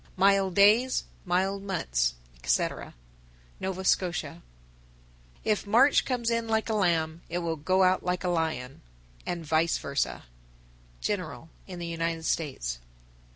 Mild days, mild months, etc. Nova Scotia. 948. If March comes in like a lamb, it goes out like a lion, and vice versa. _General in the United States.